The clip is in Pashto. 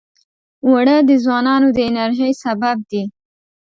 اوړه د ځوانانو د انرژۍ سبب دي